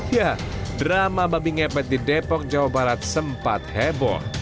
ya drama babi ngepet di depok jawa barat sempat heboh